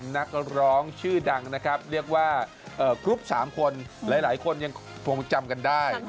นักร้องชื่อดังนะครับเรียกว่ากรุ๊ป๓คนหลายคนยังคงจำกันได้